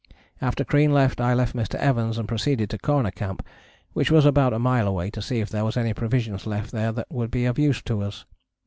After Crean left I left Mr. Evans and proceeded to Corner Camp which was about a mile away, to see if there was any provisions left there that would be of use to us.